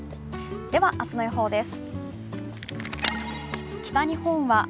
では明日の予報です。